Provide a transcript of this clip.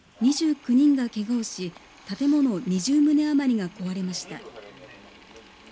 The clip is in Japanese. ２９人がけがをし建物２０棟余りが壊れました。